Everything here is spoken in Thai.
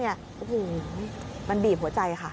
โอ้โหมันบีบหัวใจค่ะ